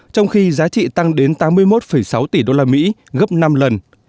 trong khi giá trị tăng đến tám mươi một sáu tỷ đô la mỹ gấp năm lần